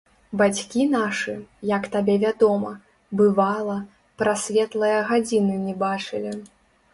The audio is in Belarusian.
Бацькі нашы, як табе вядома, бывала, прасветлае гадзіны не бачылі.